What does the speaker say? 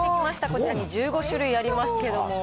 こちらに１５種類ありますけども。